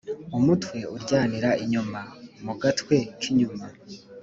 umutwe uryanira inyuma mugatwe kinyuma